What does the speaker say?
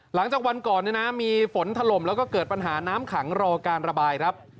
หลังจากวันก่อนเนี่ยนะมีฝนถล่มแล้วก็เกิดปัญหาน้ำขังรอการระบายครับ